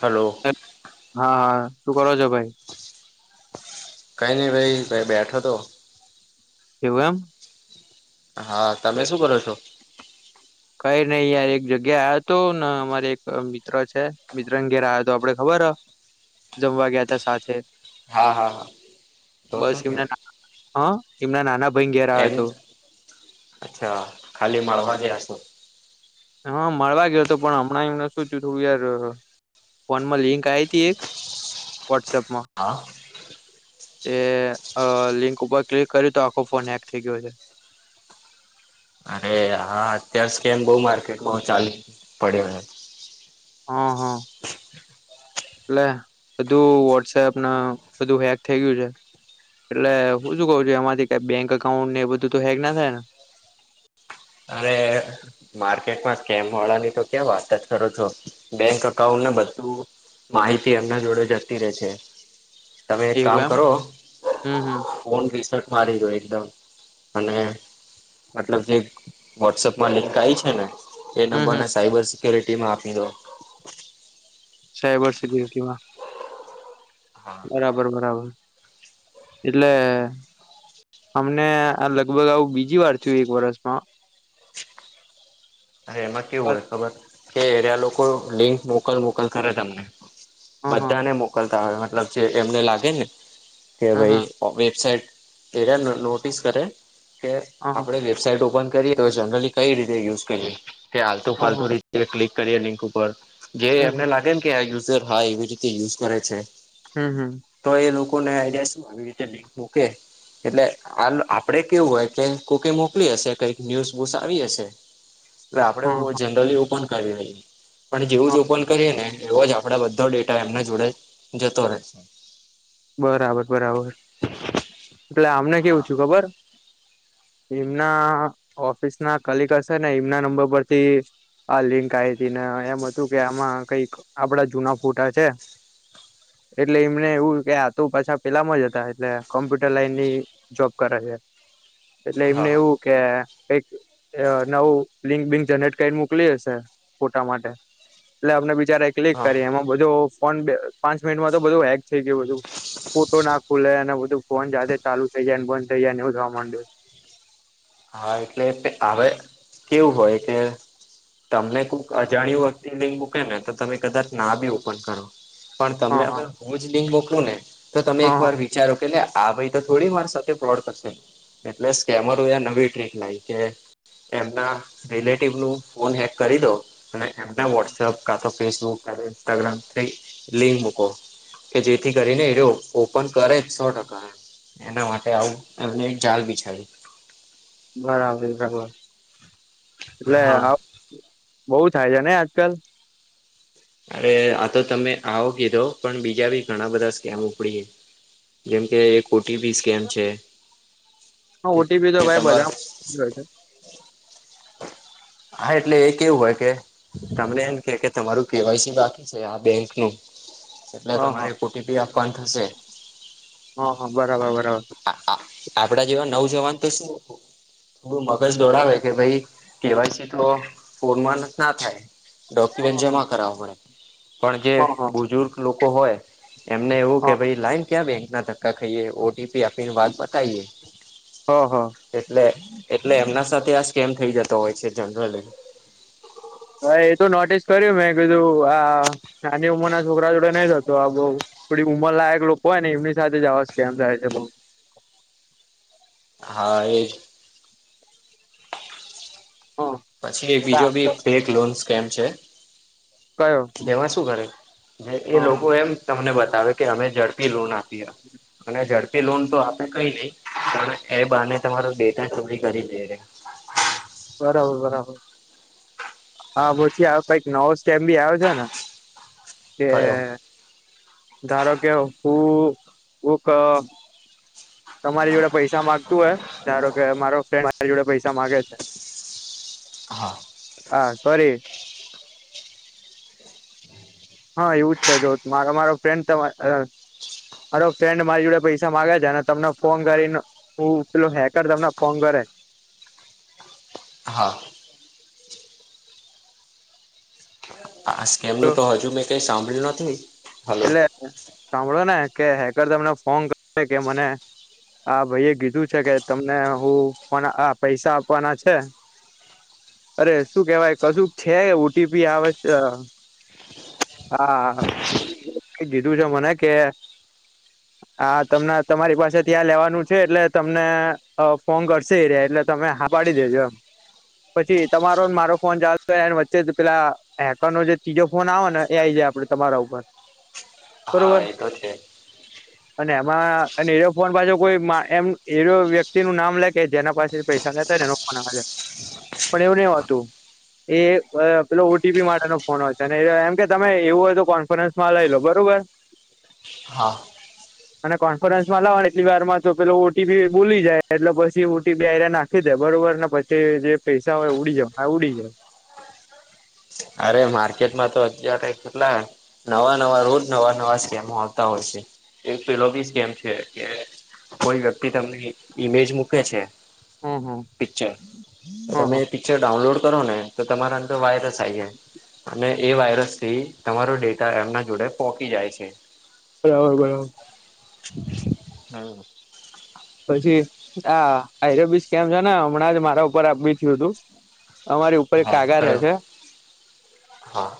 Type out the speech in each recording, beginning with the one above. Hello હા હા શું કરો છો ભાઈ કઈ નહીિ ભાઈ ભાઈ બેઠો તો એવ એમ હા તમે શું કરો છો કઈ નઈિ યાર એક જગ્યા આ હતો ને અમારે એક મિત્ર છે મિત્ર અ ઘેરે આવ્યો હતો આપડે ખબર હ જમવા ગયા તા સાથે હા હા હા તો બસ શું થયું એમના હ એમના નાના ભાઈ ઘેર આવ્યો એમ હતો અચ્છા ખાલી મળવા જ હશો. હા મળવા ગયો હતો પણ હમણાં એમને શું તું થોડું યાર ફોન માં લિંક આ હતી એક વોટ્સઅપમાં હા એ અ લિંક ઉપર ક્લિક કરી તો આખો ફોન હેક થઈ ગયો છે. અરે હા અત્યાર સ્કેમ બોવ માર્કેટમાં ચાલુ પડ્યો હે. હા હા. એટલે બધું વોટ્સએપના બધું હેક થઈ ગયું છે. એટલે હું શું કઉ છું એમાંથી કઈ બેંક અકાઉન્ટ ને એ બધું તો હેક ના થાય ને અરે. માર્કેટમાં સ્કેમવાળાની તો ક્યાં વાત જ કરો છો બેંક એકાઉન્ટને બધું માહિતી એમના જોડે જતી રહેે છે તમે એક એવું કામ એમ કરો. હમ હમ ફોન રીસેટ મારી દો એકદમ અને મતલબ જે વોટ્સઅપમાં લિંક આઈ છે ને એ હમ નંબર હમ ને સાયબર સિક્યુરિટીમાં આપી દો. સાયબર સિક્યુરિટીમાં હા બરાબર બરાબર એટલે અમને આ લગભગ આવું બીજી વાર થયું એક વર્ષમાં અરે એમાં કેવું હોય હા ખબર કે એરિયા લોકો લિંક મોકલ મોકલ કરે તમને હા બધાને મોકલતા હોય મતલબ જે એમને લાગે ને કે હા ભાઈ વેબસાઇટએ નોટિસ કરે કે હા આપણે વેબસાઇટ ઓપન કરીએ જનરલી કઈ રીતે યુઝ કરીએ હાલતુ હા ફાલતુ એ ક્લિક કરીએ લિંક ઉપર જે એમને હમ લાગે ને કે આ યુઝર હા એવી રીતે યુઝ કરે છે. હમ હમ. તો એ લોકોને આઈડિયા શું આવી રીતે લિંક મૂકે એટલે આ આપડે કેવું હોય કે કોકે મોકલી હશે કઈક ન્યુઝ બુસ આવી હશે. એટલે આપડે હા જનરલી ઓપન કરવી હોય પણ જેવું જ હા ઓપન કરીએ ને એવો જ આપ આપડો બધો ડેટા એમના જોડે જતો રહે. બરાબર બરાબર એટલે આમને કેવું હા થ્યું ખબર એમના ઓફિસ ના કલિક હશે ને એમના નંબર પરથી આ લિંક આ હતી ને એમ હતું કે આમાં કઈક આપડા જુના ફોટા છે. એટલે એમને એવું કે આ તું પાછા પેલામાં જ હતા એટલે કોમ્પ્યુટર લાઈન ની જોબ કરે છે એટલે હા એમને એવું કે કઈક નવું લિંક બિનક જનરેટ કરીન મોકલી હશે ફોટા માટે એટલે આમને બિચારાએ ક્લિક હા કરી એમાં બધો ફોન પાંચ મિનિટમાં તો બધો હેક થઈ ગયું બધું ફોટો ના ખુલે. અને બધું ફોન જાતે ચાલુ થઇ જાયને બંધ થઇ જાય એવું થવા માંડ હા એટલે હવે કેવું હોય કે તમને કોઈક અજાણ્યું વ્યક્તિ લિંક મૂકે ને તો તમે કદાચ ના બી ઓપન કરો. પણ હા તમને હા હવે હું જ લિંક મોકલું ને તો તમે હા હા એકવાર વિચારો કે આ ભાઈ તો થોડી મારી સાથે ફ્રોડ કરશે એટલે સ્કેમરોએ આ નંબર ટ્રિક લાયી કે એમના રિલેટિવ નું ફોન હેક કરી દો. અને એમના વોટ્સઅપ કા તો ફેસબુક કા ઇન્સ્ટાગ્રામ લિંક મૂકો. કે જેથી કરીને એ ઓપન કરે સો ટકા. એના માટે આવું એમને એક જાલ બિછાવી બરાબર બરાબર એટલે હા આવ બોવ થાય છે નય આજકાલ? અરે આ તો તમે આવો કીધો પણ બીજા બી ઘણા બધા સ્કેમ ઉપડી જેમ કે ઓટીપી સ્કેમ છે હ ઓટીપી તો કે ભાઈ તમારૂ [unintelligible] હા એટલે એ કેવું હોય કે તમને એમ કે કે તમારું કેવાયસી બાકી છે આ બેંક નું એટલે હા તમારે હા ઓટીપી આપવાનું થશે. હ હ બરાબર અને બરાબર આપડા જેવા નવ જવાન તો શું એવુ મગજ દોડાવે કે ભાઈ કેવાયસી તો ફોનમાં ન થાય હા ડોક્યુમેન્ટ હા જમા કરાવું પડે પણ જે હા હા બુજુર્ગ લોકો હોય એમને એવું કે ભાઈ લાઈન ક્યાં બેંક ના ધક્કા ખાઈએ ઓટી આપી વાત પતાય હા હા એટલે એટલે એમના સાથે આ સ્કેમ થઈ જ તો હોય છે, જનરલી હા એ તો નોટિસ કર્યું મેં કીધું આ નાની ઉંમર ના છોકરા જોડે નઈ થતુ આ બઉ થોડી ઉંમરલાયક લોકો હોય ને એમની સાથે જ આવા સ્કેમ થાય છે બઉ. હા એ જ. હા પછી એક બીજો બી દાખલો બેેેંક લોન સ્કેમ છે. કયો તેમાં શું કરે એ હા હા લોકો એમ તમને બતાવે કે અમે ઝડપી લોન આ અને ઝડ પી લોન તો આપે કઈ નહી પણ એ બાને તમારો ડેટા ચોરી કરી લ્યે બરાબર બરાબર હા પછી કઈક નવો સ્ટેપ ભી આવો છે ને કે કયો ધારોકે હું તમારી જોડે પૈસા માગતું હોય ધારો કે મારો ફ્રેન્ડ મારી જોડે પૈસા માગે છે. હા. હા સોરી. હા એવું જ છે જો મારો મારો ફ્રેન્ડ તમા મારો ફ્રેન્ડ મારી જોડે પૈસા માગે છે ને તમને ફોન કરીને હું પેલો હેકર તમને ફોન કરે હા. આ સ્કેમ નું તો હજુ મેં કઈ સાંભળ્યું નથી. હલો એટલે સાંભળો ને કે હેકર તમને ફોન કર કે મને હા ભાઈ એ કીધું છે કે તમને હું પન આ પૈસા આપવાના છે. અરે શું કેવાય કશુંક છે ઓટીપી આવે હા કીધું છે મને કે હા તમને તમારી પાસે ત્યાં લેવાનું છે, એટલે તમને ફોન કરશે એરયા એ એટલે તમે હા પાાડી દેજો એમ. પછી તમારોને મારો ફોન ચાલતો હોને વચ્ચે પેલા હેકર નો જે તીજો ફોન આવે ને એ આઈ જાય આપડે તમારા ઉપર. બરોબર હા એતો છે. [inaudible] અને એમાં અને એ ફોન પાછો કોઈ એમ એ વ્યક્તિ નું નામ લે કે જેના પાસે પૈસા લેતા એનો પણ એવું નહિ હોતું. એ અ પેલો ઓટીપી માટેનો ફોન હોય છે, એમ કે તમે એવું હોય તો કોન્ફરન્સ મા લઈ લો બરોબર. હા. અને કોન્ફરન્સ માં લાવવા એટલી વાર તો પેલો ઓટીપી બોલી જાય એટલે પછી ઓટીપી આયા ના ખી દે બરોબર ને પછી જે પૈસા હોય ઉડી જાય ઉડી જાય અરે માર્કેટ માં તો અત્યારે કેટલા નવા નવા રોજ નવા નવા સ્કેમો આવતા હોય છે, એક પેલો બી સ્કેમ છે કે કોઈ વ્યક્તિ તમને ઈમેજ મૂકે છે. હમ હ પિક્ચર તમે એ પિક્ચર ડાઉનલોડ કરો ને તો તમારા અંદર વાયરસ આઈ જાય અને એ વાયરસ થી તમારો ડેટા એમના જોડે પોહકી જાય છે. બરાબર. હ. પછી આ આયબ [unintelligible] સ્કેમ છે ને હમણાં જ મારા ઉપર આપ બી થયું હતું. અમારી ઉપર એક હા કાકા રહે કયો છે. હા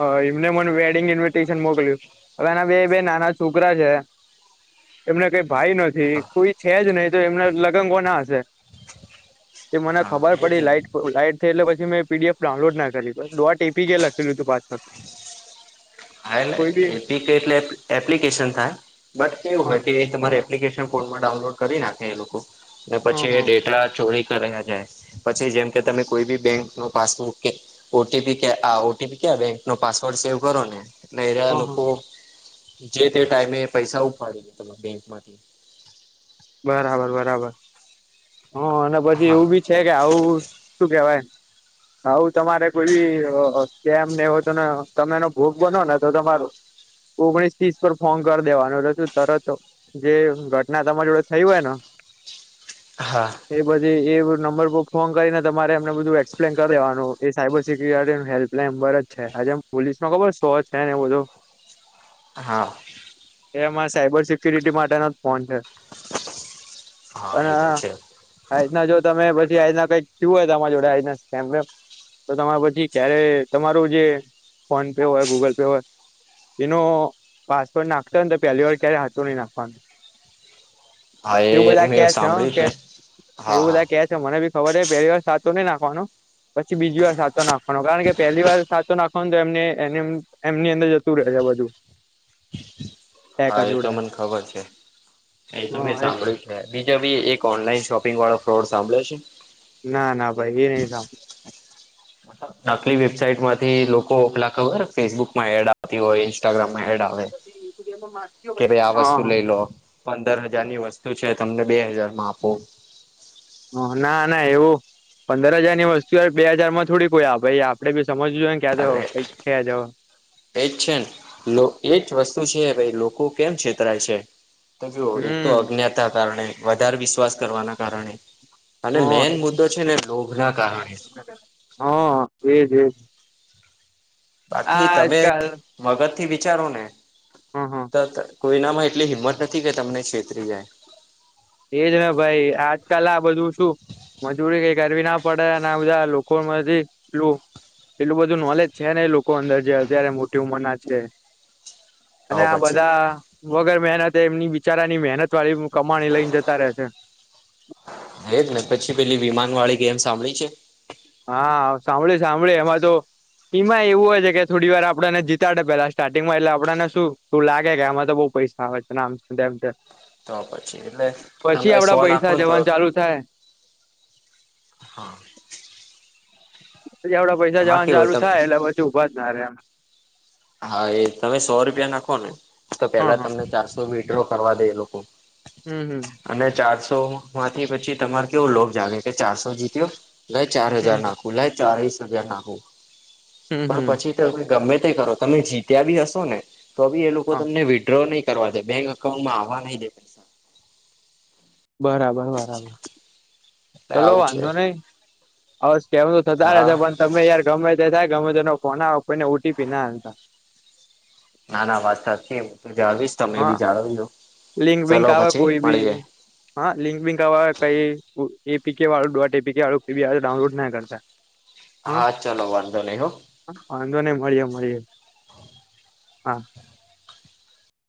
હ એમને મને વેડિંગ ઇન્વિટેશન મોકલ્યું હવે એના બે બે નાના છોકરા છે. એમને કઈ ભાઈ નથી હા કોઈ છે જ નહીિ તો એમના લગ્ન કોના હશે. તે મને ખબર હા એ પડી જ લાઈટ લાઈટ એટલે પછી મેં પીડીએફ ડાઉનલોડ ના કરી ડોટ એપી કે લખેલું હતું પાછું. હાને એપીકે એટલે એપ્લિકેશન થાય બટ કેવું હા હોય કે તમારે એપ્લિકેશન કોડમાં ડાઉનલોડ કરી નાખે એ લોકો ને હા પછી હા ડેટા ચોરી કર્યા જાય. પછી જેમ કે તમે કોઈ બી બેંક ન પાસબુક કે ઓટીપી કે આ ઓટીપી ક્યા બેંક નો પાસવર્ડ સેવ કરો ને એટલે એ હા હા લોકો જે તે ટાઈમે પૈસા ઉપાડી દે તમા બેંકમાંથી. બરાબર બરાબર હ અને પછી હા એવું બી છે કે આવું શું કેવાય હું તમારે કોઈ બી કેમ ને હોય તો ને તમે એનો ભોગ બનો ને તો તમારૂ ઓગણીસ ત્રીસ પર ફોન કરી દેવાનું તું તરત જે ઘટના તમારી જોડે થઈ હોય ન. હા. એ બધી એ નંબર પર ફોન કરીને તમારે એમને બધું એક્સપ્લેન કરી દેવાનું એ સાયબર સિક્યુરિટી હેલ્પ એલે [unintelligible] નમ્બર જ છે આજે પોલીસ નો ખબર સો છે ને એ બધું હા. એ અમારા સાયબર સિક્યુરિટી માટેનો જ ફોન છે. હા અને એ તો છે આના જો તમે પછી આના કઈક થયું હોય તમારા જોડે આના સકેમ તો તમારે પછી ક્યારે તમારું જે ફોન પે હોય, ગૂગલ પે હોય એનો પાસવોર્ડ નાખતો ને તો પહેલી વાર ક્યારે હાચું નહી નાખવાનું. હા એવું એ બધા કે મેં છે સાંભળ્યું કે હા એવું હા બધા કે મને બી ખબર છે પહેલી વાર સાચું નહી નાખવાનું પછી બીજી વાર સાચો નાખવા. કારણ કે પહેલી વાર સાચો નાખવા તો એમ એમની અંદર જતું રહે છે બધું. હા ટેકર એ તો જોડે મને ખબર છે એ તો મેં હ સાંભળ્યું. બીજો ભી એક ઓનલાઈન શોપિંગ વાળો ફ્રોડ સાંભળ્યો છે. ના ના ભાઈ એ નહી સાંભળ. નકલી વેબસાાઈટ માંથી લોકો ઓખલા ખબર ફેસબુક માં એડ આવતી હોય ઇન્સ્ટાગ્રામમાં એડતી હવે કે ભાઈ આ વસ્તુ હા લઈ લો પંદર હજાર ની વસ્તુ છે તમને બે હજાર માં આપો. ના ના એવું પંદર હજાર ની વસ્તુ બે હાજાર માં થોડી કોઈ આ ભાઈ આપડે બી સમજવું જોઈએ ક્યાં જો એટલે કઈક છેયા જો. એજ છે ને એજ વસ્તુ છે ભાઈ લોકો કેમ છેતરાય છે. જો એક તો હમ અજ્ઞાતા કારણે વધારે વિશ્વાસ કરવાના કારણે હ અને મેન મુદ્દો છે ને લોભ ના કારણે. હા એજ એજ. આ બાકી તમે આજકાલ મગજથી વિચારો ને હ હ તો કોઈનામાં એટલી હિંમત નથી કે તમને છેતરી જાય. એજ ને ભાઈ આજકાલ આ બધું છું મજૂરી કઈ કરવી ના પડે અને બધા લોકોમાં એલું એટલું બધું નોલેજ છે ને એ લોકો અંદર જે અત્યારે મોટી ઉંમર ના છે. અને તો આ પછી બધા વગર મહેનતે એમની બિચારાની મહેનત વાળી કમાણી લઈને જ તા રહે છે. એજ ને પછી પેલી વિમાન વાળી કે એમ સાંભળી છે? હા સાંભળે સાંભળે એમાં તો ટીમાં એવું હોય છે કે થોડી વાર આપણને જીતાડે પેલા સ્ટાર્ટિંગમાં એટલે આપણને શું તું લાગે કે આમાં તો બઉુ પૈસા આવે છે નામ છે તેમ છે. તો પછી એટલે તમે સો નાખો ને તો સા હા પછી આપડા પૈસા એમાં જવાનું કેવું હોય ચાલુ તમે થાય એટલે પછી ઉઊભા જ ના રે એમ હા, એ તમે સો રૂપિયા નાખો ને તો હ પેલા હ તમને ચારસો તો વિડ્રો કરવા દે એ લોકો હમ. હમ અને ચારસો માંથી પછી તમાર કેવો લોભ જાગે કે ચારસો જીત્યો, ગઈ ચાર હજાર હમ ના ભુલાય ચાળસ હજ્યા નાખું હમ પણ હમ પછી તો ગમે તે કરો તમે જીત્યા બી હશો. ને તો બી એ લોકો હા તમને વિડ્રો નહી કરવા છે બેંક અઉન્ટમાં આવવા નહીિ દે પૈસા બરાબર- બરાબર. એટલે ચલો આવું છે વાંધો નહી હ, સ્ કેમ તો થતા હા રહેશે પણ તમે યાર ગમે ત થાય ગમે તે ફોન આવો કોઈને ઓટીપી નાતા ના ના વાત સાચી હું તું જાળવીશ તમે હા બી જાળવીજો લિંક બિંક ચલો આવે પછી કોઈ બી મળી જાય. હા, લિંક બિંકવા કઈ એપી કે વાળું ડોટ એપી વાળું બી ડાઉનલોડ ના કરતા હા ચાલો વાંધો નહીં. હો વાંધો નહી. મળીએ મળીએે હા